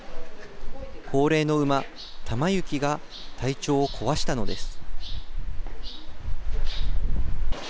高齢の馬、タマユキが体調を壊したのです。